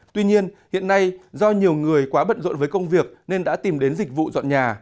tuy nhiên hiện nay do nhiều người quá bận rộn với công việc nên đã tìm đến dịch vụ dọn nhà